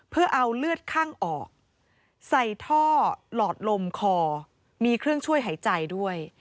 เพื่อเอาเลือดข้างออกใส่ท่อหลอดลมคอมีเครื่องช่วยหายใจด้วย